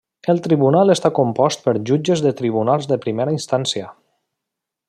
El tribunal està compost per jutges de tribunals de primera instància.